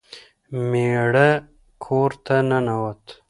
میړه کور ته ننوت.